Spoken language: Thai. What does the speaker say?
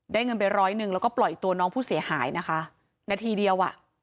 เงินไปร้อยหนึ่งแล้วก็ปล่อยตัวน้องผู้เสียหายนะคะนาทีเดียวอ่ะ